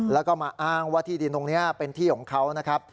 แล้วก็มาอ้างว่าที่ดินตรงนี้เป็นที่ของเขานะครับ